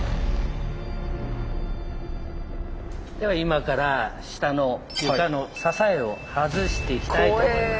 では今から下の床の支えを外していきたいと思います。